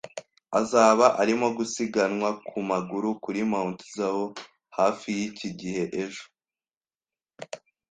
Azaba arimo gusiganwa ku maguru kuri Mt. Zao hafi yiki gihe ejo